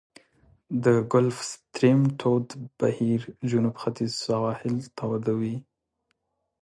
د ګلف ستریم تود بهیر جنوب ختیځ سواحل توده وي.